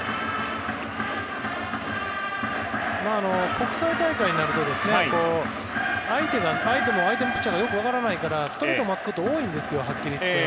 国際大会になると相手も、相手のピッチャーがよく分からないからストレートを待つことが多いんですはっきり言って。